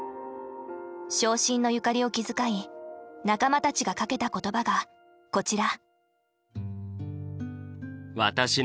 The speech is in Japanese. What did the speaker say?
傷心の由嘉里を気遣い仲間たちがかけた言葉がこちら。